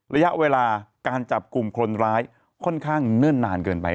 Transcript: ระยะเวลาการจับกลุ่มคนร้ายค่อนข้างเนิ่นนานเกินไป